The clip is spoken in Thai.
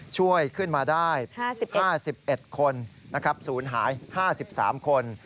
ช่วยขึ้นมาได้๕๑คนศูนย์หาย๕๓คน